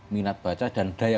minat baca dan daya